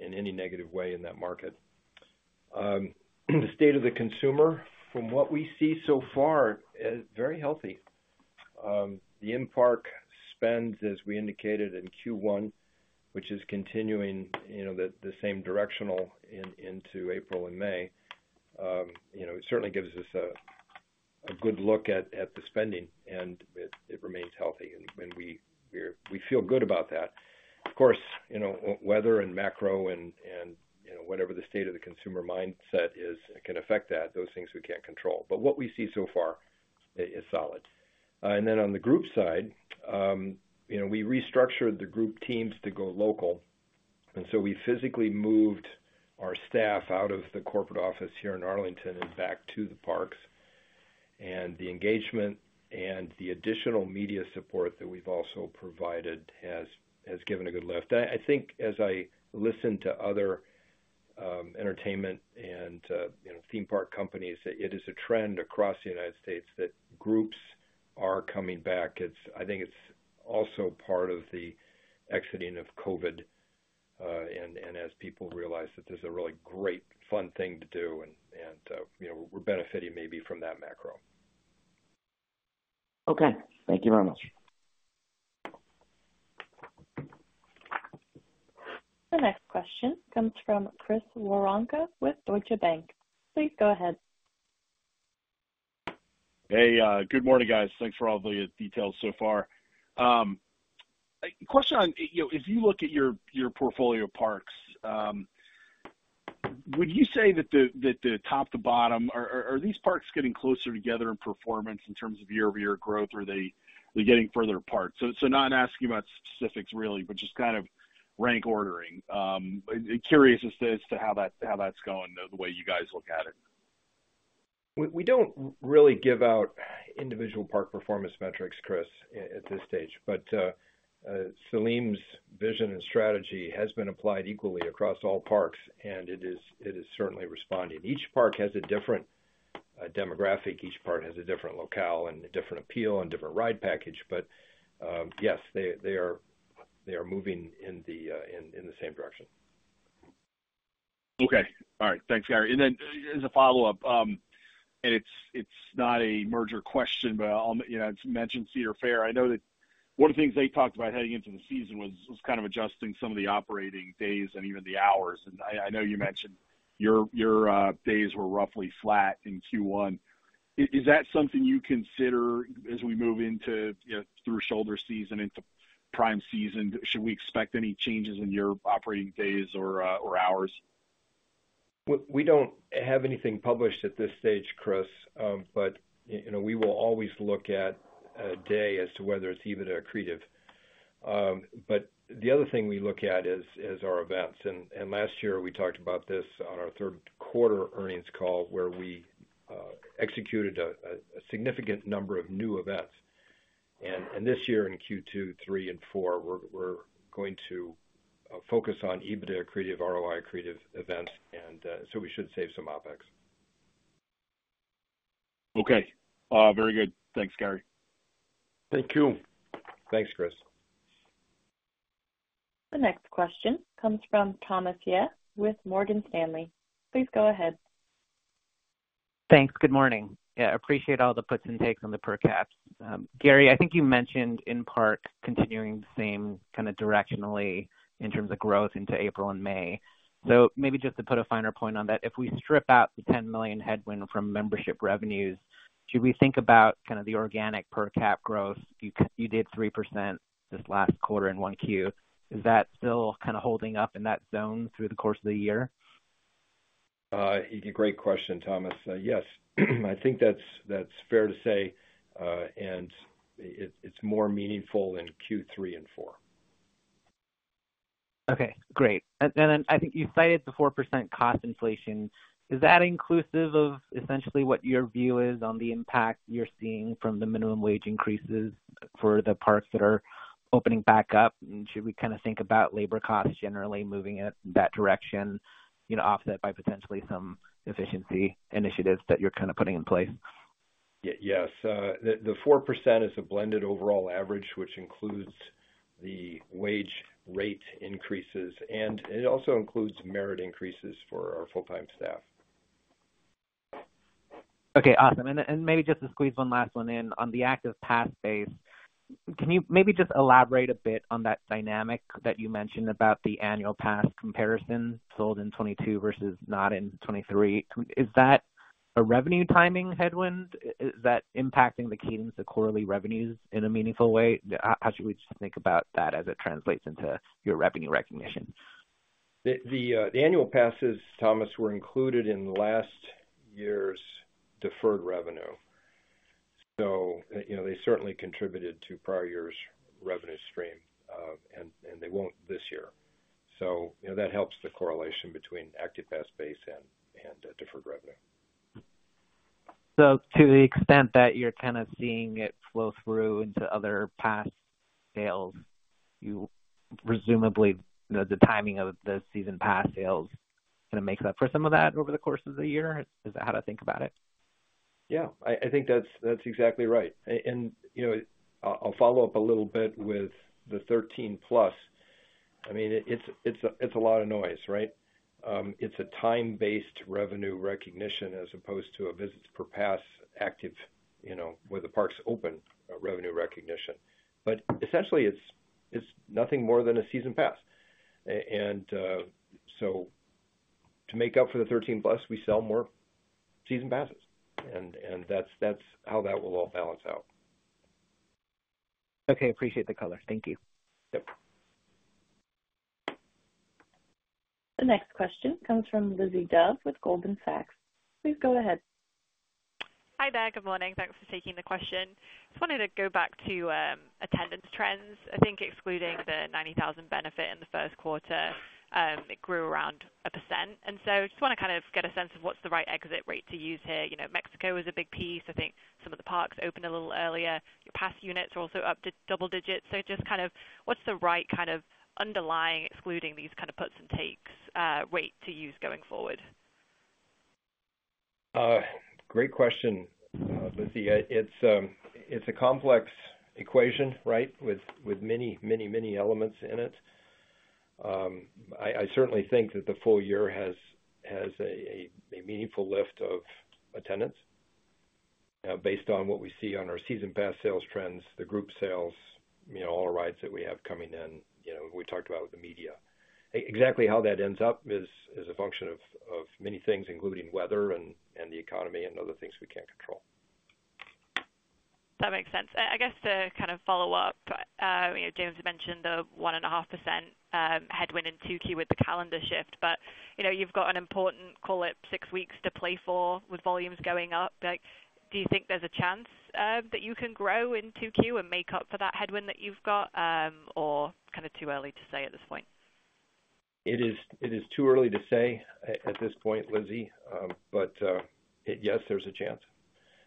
in any negative way in that market. The state of the consumer, from what we see so far, is very healthy. The in-park spends, as we indicated in Q1, which is continuing the same directional into April and May, it certainly gives us a good look at the spending, and it remains healthy. And we feel good about that. Of course, weather and macro and whatever the state of the consumer mindset is can affect that, those things we can't control. But what we see so far is solid. And then on the group side, we restructured the group teams to go local. So we physically moved our staff out of the corporate office here in Arlington and back to the parks. The engagement and the additional media support that we've also provided has given a good lift. I think as I listen to other entertainment and theme park companies, it is a trend across the United States that groups are coming back. I think it's also part of the exiting of COVID and as people realize that this is a really great, fun thing to do. We're benefiting maybe from that macro. Okay. Thank you very much. The next question comes from Chris Woronka with Deutsche Bank. Please go ahead. Hey. Good morning, guys. Thanks for all the details so far. Question on, if you look at your portfolio parks, would you say that the top to bottom, are these parks getting closer together in performance in terms of year-over-year growth, or are they getting further apart? So not asking about specifics, really, but just kind of rank ordering. Curious as to how that's going, the way you guys look at it. We don't really give out individual park performance metrics, Chris, at this stage. But Saleem's vision and strategy has been applied equally across all parks, and it is certainly responding. Each park has a different demographic. Each park has a different locale and a different appeal and different ride package. But yes, they are moving in the same direction. Okay. All right. Thanks, Gary. And then as a follow-up, and it's not a merger question, but it's mentioned Cedar Fair. I know that one of the things they talked about heading into the season was kind of adjusting some of the operating days and even the hours. And I know you mentioned your days were roughly flat in Q1. Is that something you consider as we move into through shoulder season into prime season? Should we expect any changes in your operating days or hours? We don't have anything published at this stage, Chris, but we will always look at a day as to whether it's even accretive. But the other thing we look at is our events. And last year, we talked about this on our Q3 earnings call where we executed a significant number of new events. And this year in Q2, 3, and 4, we're going to focus on even accretive ROI, accretive events. And so we should save some OpEx. Okay. Very good. Thanks, Gary. Thank you. Thanks, Chris. The next question comes from Thomas Yeh with Morgan Stanley. Please go ahead. Thanks. Good morning. Yeah, appreciate all the puts and takes on the per caps. Gary, I think you mentioned in part continuing the same kind of directionally in terms of growth into April and May. So maybe just to put a finer point on that, if we strip out the $10 million headwind from membership revenues, should we think about kind of the organic per cap growth? You did 3% this last quarter in 1Q. Is that still kind of holding up in that zone through the course of the year? Great question, Thomas. Yes. I think that's fair to say, and it's more meaningful in Q3 and 4. Okay. Great. And then I think you cited the 4% cost inflation. Is that inclusive of essentially what your view is on the impact you're seeing from the minimum wage increases for the parks that are opening back up? And should we kind of think about labor costs generally moving in that direction, offset by potentially some efficiency initiatives that you're kind of putting in place? Yes. The 4% is a blended overall average, which includes the wage rate increases, and it also includes merit increases for our full-time staff. Okay. Awesome. And then maybe just to squeeze one last one in, on the active pass base, can you maybe just elaborate a bit on that dynamic that you mentioned about the annual pass comparison? Sold in 2022 versus not in 2023. Is that a revenue-timing headwind? Is that impacting the cadence of quarterly revenues in a meaningful way? How should we just think about that as it translates into your revenue recognition? The annual passes, Thomas, were included in last year's deferred revenue. So they certainly contributed to prior year's revenue stream, and they won't this year. So that helps the correlation between active pass base and deferred revenue. To the extent that you're kind of seeing it flow through into other pass sales, presumably the timing of the season pass sales kind of makes up for some of that over the course of the year? Is that how to think about it? Yeah. I think that's exactly right. And I'll follow up a little bit with the 13-plus. I mean, it's a lot of noise, right? It's a time-based revenue recognition as opposed to a visits per pass active where the park's open revenue recognition. But essentially, it's nothing more than a season pass. And so to make up for the 13-plus, we sell more season passes. And that's how that will all balance out. Okay. Appreciate the color. Thank you. Yep. The next question comes from Lizzie Dove with Goldman Sachs. Please go ahead. Hi, Mick. Good morning. Thanks for taking the question. Just wanted to go back to attendance trends. I think excluding the 90,000 benefit in the Q1, it grew around 1%. So I just want to kind of get a sense of what's the right exit rate to use here. Mexico is a big piece. I think some of the parks open a little earlier. Your pass units are also up to double digits. So just kind of what's the right kind of underlying, excluding these kind of puts and takes rate to use going forward? Great question, Lizzie. It's a complex equation, right, with many, many, many elements in it. I certainly think that the full year has a meaningful lift of attendance based on what we see on our season pass sales trends, the group sales, all the rides that we have coming in. We talked about the media. Exactly how that ends up is a function of many things, including weather and the economy and other things we can't control. That makes sense. I guess to kind of follow up, James mentioned the 1.5% headwind in Q2 with the calendar shift. But you've got an important, call it, six weeks to play for with volumes going up. Do you think there's a chance that you can grow in Q2 and make up for that headwind that you've got, or kind of too early to say at this point? It is too early to say at this point, Lizzie. But yes, there's a chance.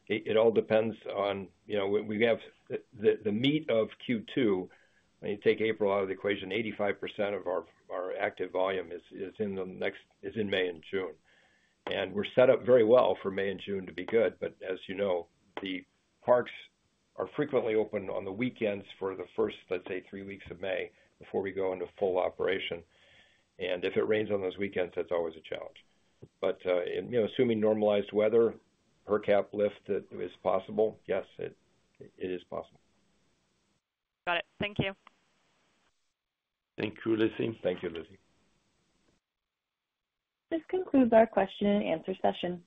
It all depends on we have the meat of Q2. When you take April out of the equation, 85% of our active volume is in May and June. And we're set up very well for May and June to be good. But as you know, the parks are frequently open on the weekends for the first, let's say, three weeks of May before we go into full operation. And if it rains on those weekends, that's always a challenge. But assuming normalized weather, per cap lift is possible. Yes, it is possible. Got it. Thank you. Thank you, Lizzie. Thank you, Lizzie. This concludes our question and answer session.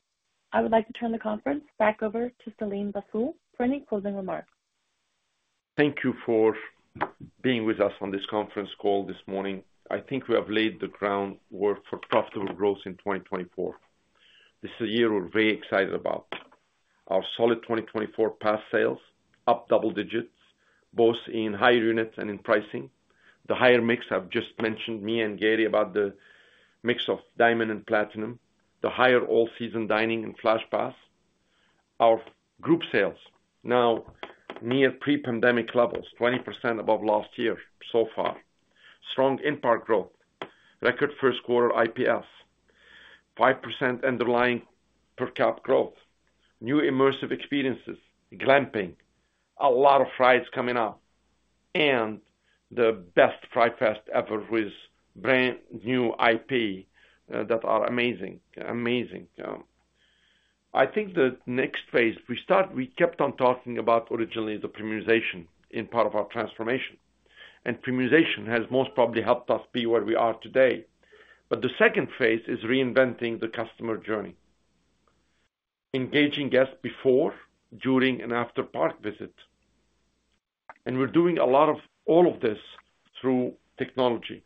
I would like to turn the conference back over to Saleem Bassoul for any closing remarks. Thank you for being with us on this conference call this morning. I think we have laid the groundwork for profitable growth in 2024. This is a year we're very excited about. Our solid 2024 pass sales up double digits, both in higher units and in pricing. The higher mix I've just mentioned, me and Gary about the mix of Diamond and Platinum, the higher all-season dining and Flash Pass. Our group sales now near pre-pandemic levels, 20% above last year so far. Strong in-park growth, record Q1 IPS, 5% underlying per cap growth, new immersive experiences, glamping, a lot of rides coming up, and the best Fright Fest ever with brand new IP that are amazing. Amazing. I think the next phase we kept on talking about originally the premiumization in part of our transformation. And premiumization has most probably helped us be where we are today. But the second phase is reinventing the customer journey, engaging guests before, during, and after park visit. We're doing a lot of all of this through technology.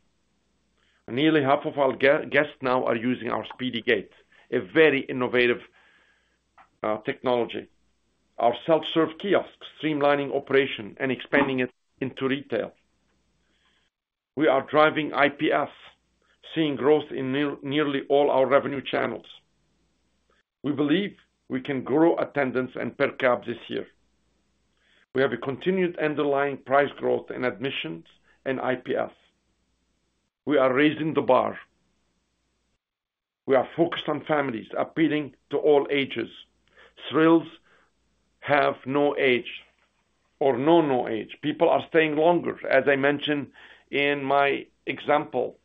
Nearly half of our guests now are using our SpeedyGate, a very innovative technology, our self-serve kiosks, streamlining operation and expanding it into retail. We are driving IPS, seeing growth in nearly all our revenue channels. We believe we can grow attendance and per cap this year. We have a continued underlying price growth in admissions and IPS. We are raising the bar. We are focused on families, appealing to all ages. Thrills have no age or no no age. People are staying longer, as I mentioned in my example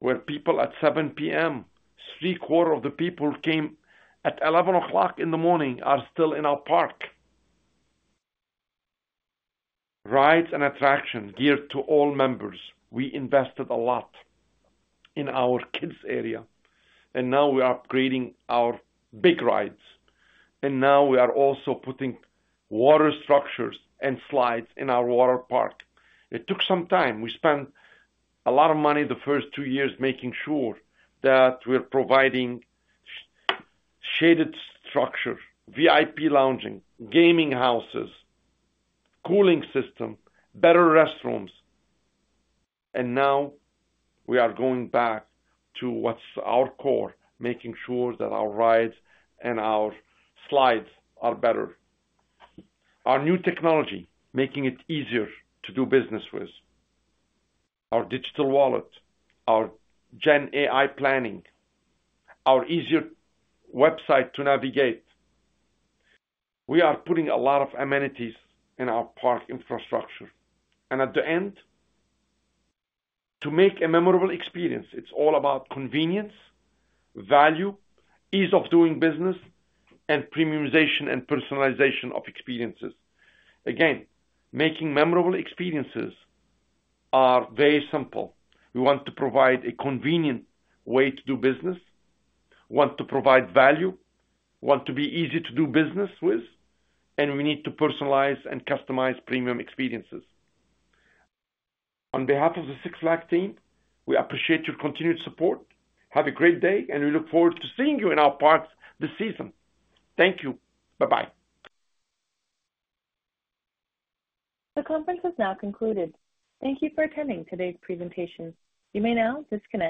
where people at 7:00 P.M., Q3 of the people came at 11:00 A.M., are still in our park. Rides and attractions geared to all members. We invested a lot in our kids' area, and now we are upgrading our big rides. Now we are also putting water structures and slides in our water park. It took some time. We spent a lot of money the first two years making sure that we're providing shaded structure, VIP lounging, gaming houses, cooling system, better restrooms. Now we are going back to what's our core, making sure that our rides and our slides are better, our new technology making it easier to do business with, our digital wallet, our Gen AI planning, our easier website to navigate. We are putting a lot of amenities in our park infrastructure. At the end, to make a memorable experience, it's all about convenience, value, ease of doing business, and premiumization and personalization of experiences. Again, making memorable experiences are very simple. We want to provide a convenient way to do business, want to provide value, want to be easy to do business with, and we need to personalize and customize premium experiences. On behalf of the Six Flags team, we appreciate your continued support. Have a great day, and we look forward to seeing you in our parks this season. Thank you. Bye-bye. The conference is now concluded. Thank you for attending today's presentation. You may now disconnect.